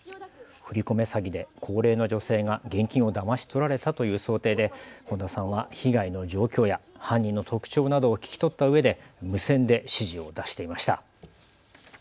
詐欺で高齢の女性が現金をだまし取られたという想定で本田さんは被害の状況や犯人の特徴などを聞き取ったうえで無線で指示を出していました。